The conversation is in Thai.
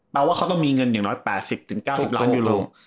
ว่าเขาต้องมีเงินอย่างน้อย๘๐๙๐ล้านยูโร